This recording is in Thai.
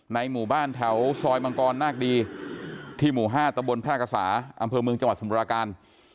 หมู่บ้านแถวซอยมังกรนาคดีที่หมู่๕ตะบนแพร่กษาอำเภอเมืองจังหวัดสมราการ